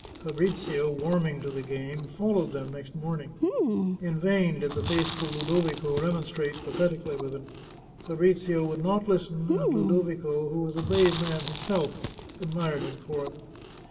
Fabrizio, warming to the game, followed them next morning. In vain did the faithful Ludovico remonstrate pathetically with him. Fabrizio would not listen, and Ludo vico, who was a brave man himself, admired him for it.